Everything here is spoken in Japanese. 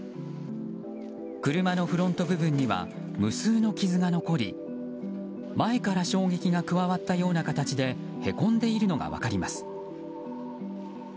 車のフロント部分には無数の傷が残り前から衝撃が加わったような形でへこんでいるのが分かります。